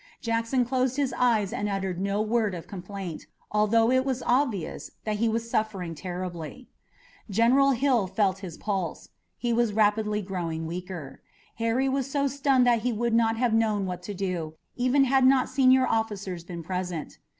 Jackson closed his eyes and uttered no word of complaint, although it was obvious that he was suffering terribly. General Hill felt his pulse. He was rapidly growing weaker. Harry was so stunned that he would not have known what to do, even had not senior officers been present.